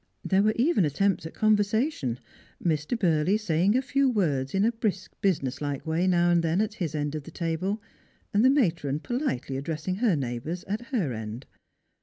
There were even attempts at conver sation : Mr. Burley saying a few words in a brisk business like way now and then at his end of the table, and the matron politely addressing her neighbours at her end.